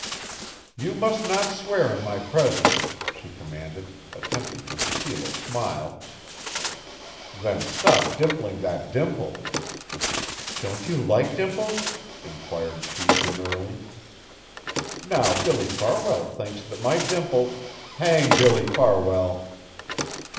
"You must not swear in my presence," she commanded, attempting to conceal a smile. "Then stop dimpling that dimple." "Don't you like dimples?" inquired she demurely. "Now Billy Farwell thinks that my dimples " "Hang Billy Farwell!"